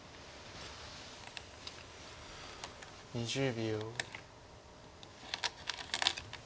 ２０秒。